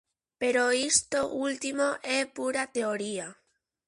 Pero isto último é pura teoría.